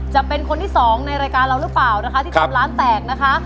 จะเป็นคนที่สองในรายการเราหรือเปล่านะคะที่ทำร้านแตกนะคะ